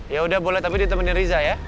ya udah boleh tapi ditemenin riza ya